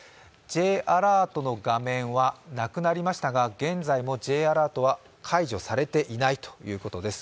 Ｊアラートの画面はなくなりましたが現在もＪアラートは解除されていないということです。